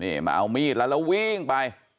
นี่มาเอามีดแล้วแล้ววิ่งไป